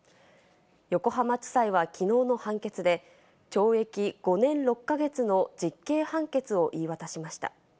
横浜地裁はきのうの判決で懲役５年６か月の実刑判決を言い渡しました。